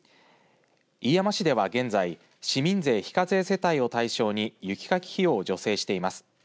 飯山市では現在市民税非課税世帯を対象に雪かき費用を助成しています。